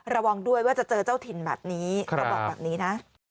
ระวังด้วยว่าจะเจอเจ้าถิ่นแบบนี้เขาบอกแบบนี้นะ